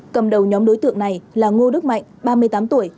cầm đầu nhóm đối tượng này là ngô đức mạnh ba mươi tám tuổi